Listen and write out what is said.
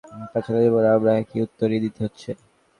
আপনি বারবার একই কথাই প্যাচাচ্ছেন এবং আমাকে একই উত্তরই দিতে হচ্ছে।